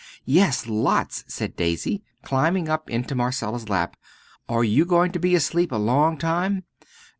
"Yes, lots," said Daisy, climbing up into Marcella's lap. "Are you going to be asleep a long time?"